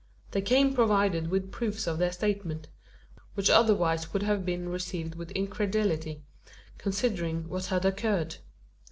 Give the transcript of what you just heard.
They came provided with proofs of their statement, which otherwise would have been received with incredulity considering what had occurred.